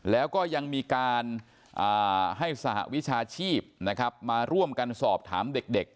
แล้วก็ยังมีการให้สหวิชาชีพนะครับมาร่วมกันสอบถามเด็ก